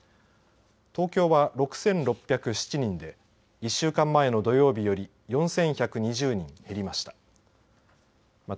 東京は６６０７人で１週間前の土曜日より４１２０人減りました。